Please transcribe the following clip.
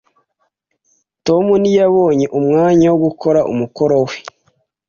Tom ntiyabonye umwanya wo gukora umukoro we.